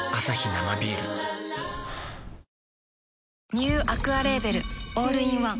ニューアクアレーベルオールインワン